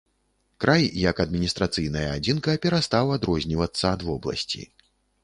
Край як адміністрацыйная адзінка перастаў адрознівацца ад вобласці.